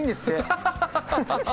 ハハハハハ！